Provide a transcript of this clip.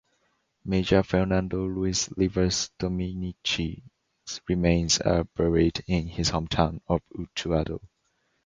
Major Fernando Luis Ribas-Dominicci's remains are buried in his hometown of Utuado.